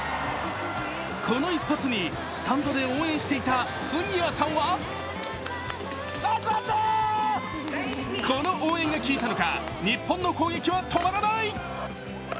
この一発に、スタンドで応援していた杉谷さんはこの応援が効いたのか日本の攻撃は止まらない。